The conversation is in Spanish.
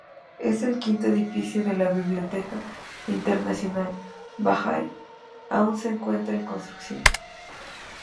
El quinto edificio, la Biblioteca Internacional Bahá'í aún se encuentra en construcción.